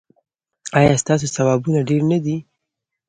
ایا ستاسو ثوابونه ډیر نه دي؟